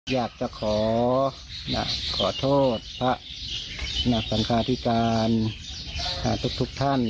อยากจะขอขอโทษพระหนักสังคาธิการทุกท่าน